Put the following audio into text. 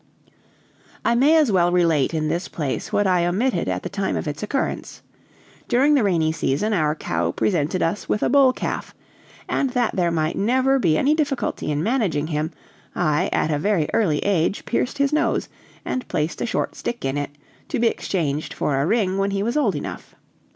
I may as well relate in this place what I omitted at the time of its occurrence. During the rainy season our cow presented us with a bull calf, and that there might never be any difficulty in managing him, I at a very early age pierced his nose and placed a short stick in it, to be exchanged for a ring when he was old enough.